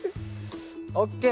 オッケー！